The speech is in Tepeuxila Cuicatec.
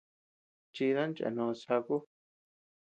Chidan cheanós chaku.